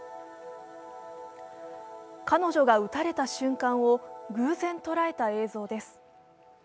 彼女が撃たれた瞬間を偶然捉えた映像です。